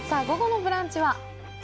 午後の「ブランチ」は？